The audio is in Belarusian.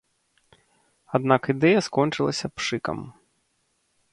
Аднак ідэя скончылася пшыкам.